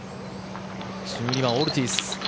１２番、オルティーズ。